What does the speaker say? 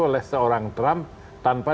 oleh seorang trump tanpa